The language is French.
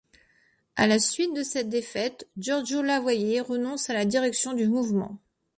À la suite de cette défaite, Giorgio Lavoyer renonce à la direction du mouvement.